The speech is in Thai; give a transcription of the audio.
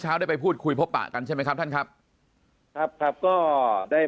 ได้ไปพูดคุยพบปะกันใช่ไหมครับท่านครับครับก็ได้